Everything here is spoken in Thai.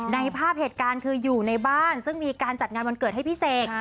ภาพเหตุการณ์คืออยู่ในบ้านซึ่งมีการจัดงานวันเกิดให้พี่เสก